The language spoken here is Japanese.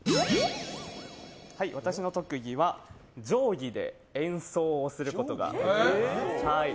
私の特技は定規で演奏をすることができます。